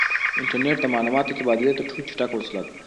انټرنیټ د معلوماتو د تبادلې تر ټولو چټکه وسیله ده.